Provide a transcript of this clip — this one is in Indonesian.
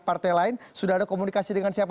partai lain sudah ada komunikasi dengan siapa